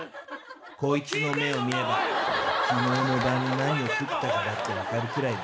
こいつの目を見れば、きのうの晩に何を食ったか分かるぐらいだ。